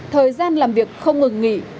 thời gian làm việc không ngừng nghỉ